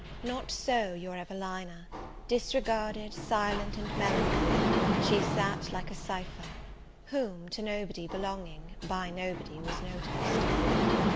Not so your Evelina: disregarded, silent, and melancholy, she sat like a cypher, whom, to nobody belonging, by nobody was noticed.